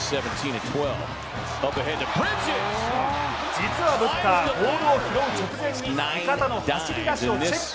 実はブッカーボールを拾う直前に味方の走り出しをチェック。